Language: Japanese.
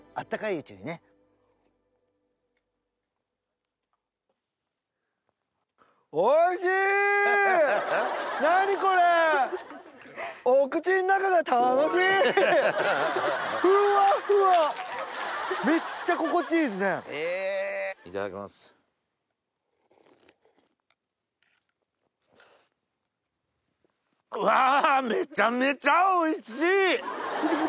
うわめちゃめちゃおいしい！